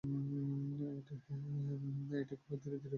এটি খুবই ধীরে ধীরে বাড়ে।